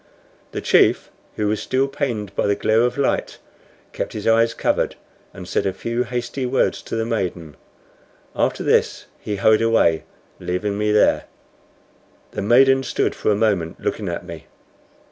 The chief, who still was pained by the glare of light, kept his eyes covered, and said a few hasty words to the maiden. After this he hurried away, leaving me there. The maiden stood for a moment looking at me.